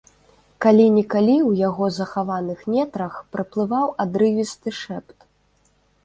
Калі-нікалі ў яго захаваных нетрах праплываў адрывісты шэпт.